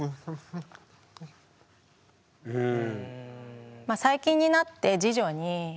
うん。